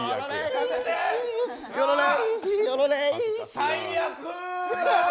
最悪！